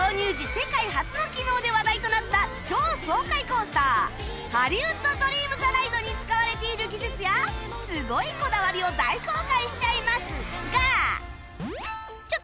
世界初の機能で話題となった超爽快コースターハリウッド・ドリーム・ザ・ライドに使われている技術やすごいこだわりを大公開しちゃいますが